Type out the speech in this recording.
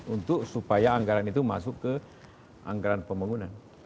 untuk supaya anggaran itu masuk ke anggaran pembangunan